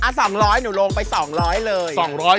๒๐๐หนูลงไป๒๐๐เลย